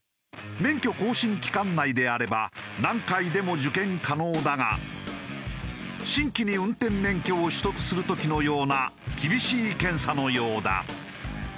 免許更新期間内であれば何回でも受検可能だが新規に運転免許を取得する時のような厳しい検査のようだ。